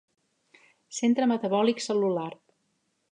Centre metabòlic cel·lular.